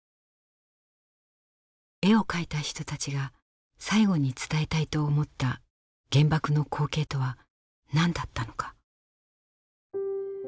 絵を描いた人たちが最後に伝えたいと思った原爆の光景とは何だったのか。